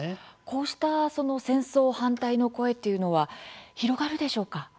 こうした戦争反対の声というのは広がるでしょうか？